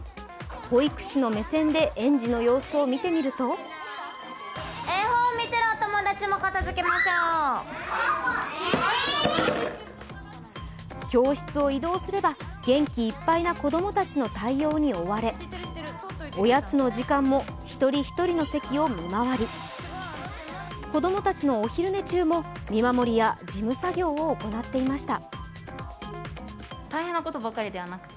保育士の目線で園児の様子を見てみると教室を移動すれば元気いっぱいな子供たちの対応に追われおやつの時間も一人一人の席を見守り、子供たちのお昼寝中も見守りや事務作業を行っていました。